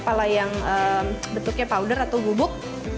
kepala yang bentuknya powder atau gubuk